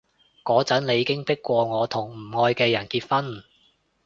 嗰陣你已經迫過我同個唔愛嘅人結婚